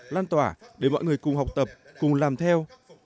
lan tỏa để mọi người cùng học tập cùng làm theo